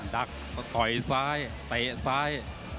ดักก็ต่อยซ้ายเตะซ้าย